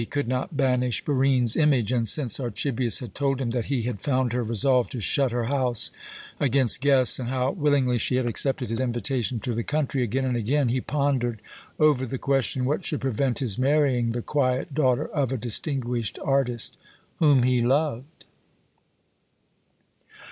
He could not banish Barine's image; and since Archibius had told him that he had found her resolved to shut her house against guests, and how willingly she had accepted his invitation to the country, again and again he pondered over the question what should prevent his marrying the quiet daughter of a distinguished artist, whom he loved?